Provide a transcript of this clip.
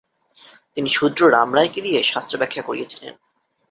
তিনি শূদ্র রামরায়কে দিয়ে শাস্ত্র ব্যাখ্যা করিয়েছিলেন।